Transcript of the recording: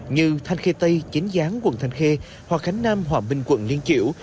như thanh khê tây chính gián quận thanh khê hoa khánh nam hòa minh quận liên triệu